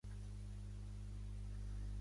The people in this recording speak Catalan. Tenia el nom tradicional "Nusakan".